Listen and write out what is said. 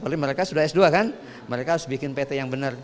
paling mereka sudah s dua kan mereka harus bikin pt yang benar